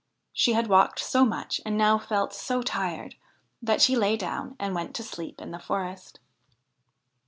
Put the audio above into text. She had walked so much and now felt so tired that she lay down and went to sleep in the forest.